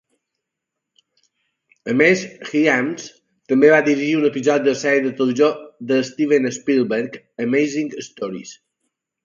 A més, Hyams també va dirigir un episodi de la sèrie de televisió de Steven Spielberg "Amazing Stories".